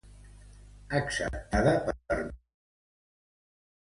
Acceptada per minoria d'autors.